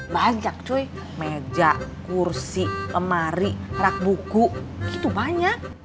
banyak cuy meja kursi lemari rak buku gitu banyak